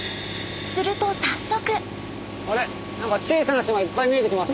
すると早速！